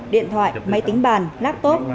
điện thoại máy tính bàn laptop